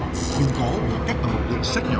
chuyên cố bị cắt bằng một lực sách nhỏ